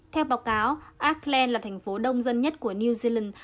theo báo cáo acland là thành phố đông dân nhất của new zealand